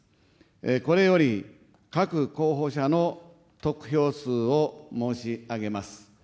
これより各候補者の得票数を申し上げます。